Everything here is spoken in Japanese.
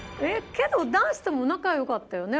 けど男子とも仲良かったよね？